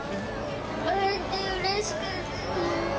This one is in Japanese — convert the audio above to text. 会えてうれしかった。